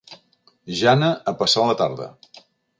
Jana a passar la tarda».